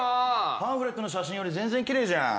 パンフレットの写真より全然きれいじゃん